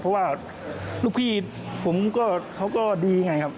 เพราะว่าลูกพี่ผมเขาก็ดี